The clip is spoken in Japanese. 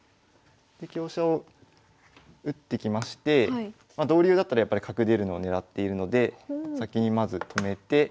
で香車を打ってきまして同竜だったらやっぱり角出るのを狙っているので先にまず止めて。